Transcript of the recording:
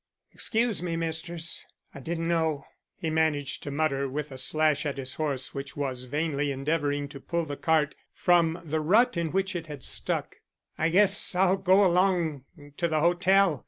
"Excuse me, misters, I didn't know," he managed to mutter, with a slash at his horse which was vainly endeavoring to pull the cart from the rut in which it had stuck. "I guess I'll go along to the hotel.